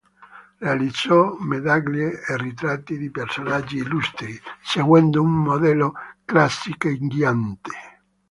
Realizzò medaglie e ritratti di personaggi illustri, seguendo un modello classicheggiante.